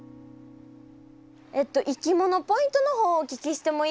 えっといきものポイントの方をお聞きしてもいいですか？